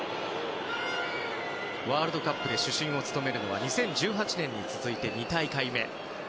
ワールドカップで主審を務めるのは２０１８年に続いて２大会目。